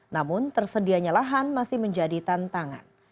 namun tersedianya lahan masih menjadi tantangan